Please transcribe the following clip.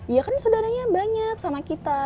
iya kan saudaranya banyak sama kita